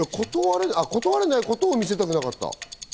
断れないことを見せたくなかった。